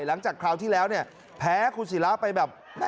หลังจากคราวที่แล้วแพ้คุณศิลาไปแบบแม่